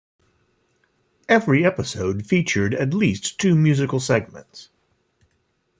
Every episode featured at least two musical segments.